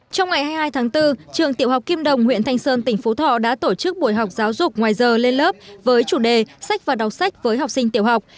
trong ngày hai mươi hai tháng bốn trường tiểu học kim đồng huyện thanh sơn tỉnh phú thọ đã tổ chức buổi học giáo dục ngoài giờ lên lớp với chủ đề sách và đọc sách với học sinh tiểu học